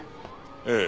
ええ。